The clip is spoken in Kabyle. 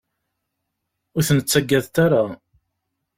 Ur ten-ttagadet ara!